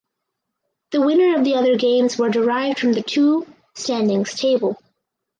The winner of the other games were derived from the two standings table.